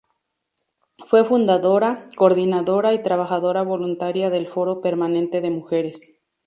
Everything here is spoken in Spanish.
Fue fundadora, coordinadora y trabajadora voluntaria del Foro Permanente de Mujeres.